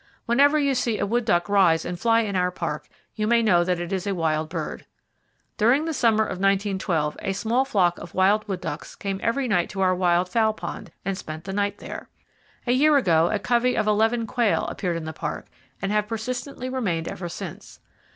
Whenever you see a wood duck rise and fly in our Park, you may know that it is a wild bird. During the summer of 1912 a small flock of wild wood ducks came every night to our Wild Fowl Pond, and spent the night there. A year ago, a covey of eleven quail appeared in the Park, and have persistently remained ever since.